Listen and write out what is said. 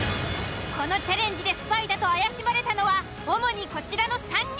このチャレンジでスパイだと怪しまれたのは主にこちらの３人。